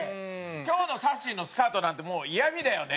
今日のさっしーのスカートなんて嫌味だよね